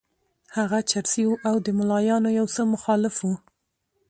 هغه چرسي وو او د ملایانو یو څه مخالف وو.